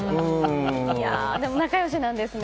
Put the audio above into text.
でも仲良しなんですね。